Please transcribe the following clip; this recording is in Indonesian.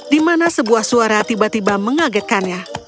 di mana sebuah suara tiba tiba mengagetkannya